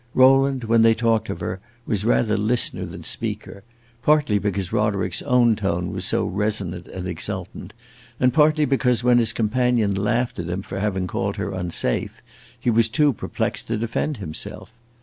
Rowland, when they talked of her, was rather listener than speaker; partly because Roderick's own tone was so resonant and exultant, and partly because, when his companion laughed at him for having called her unsafe, he was too perplexed to defend himself.